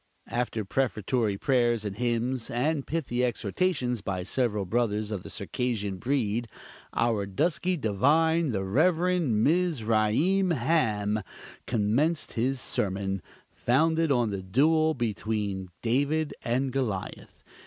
After prefatory prayers and hymns, and pithy exhortations by several brothers of the Circassian breed, our dusky divine, the Rev. Mizraim Ham, commenced his sermon, founded on the duel between David and Goliath.